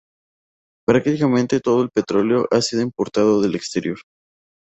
Prácticamente todo el petróleo ha sido importado del exterior.